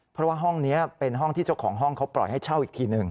เพราะว่าห้องนี้เป็นห้องที่เจ้าของห้องเขาปล่อยให้เช่าอีกทีหนึ่ง